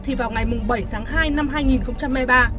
thì vào ngày bảy tháng hai năm hai nghìn hai mươi ba